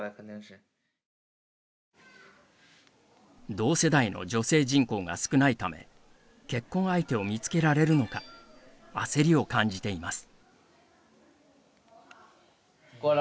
同世代の女性人口が少ないため結婚相手を見つけられるのか焦りを感じています。